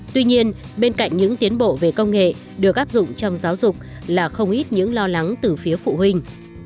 tuy nhiên bên cạnh những tiến bộ về công nghệ được áp dụng trong giáo dục là không ít những lo lắng từ phía phụ huynh